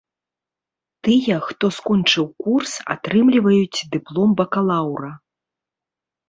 Тыя, хто скончыў курс, атрымліваюць дыплом бакалаўра.